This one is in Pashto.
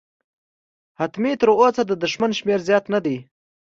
حتمي، تراوسه د دښمن شمېر زیات نه دی.